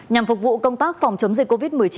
nhằm phục vụ công tác phòng chống dịch covid một mươi chín